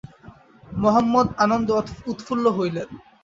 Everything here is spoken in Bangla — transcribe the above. মহম্মদ আনন্দে উৎফুল্ল হইলেন।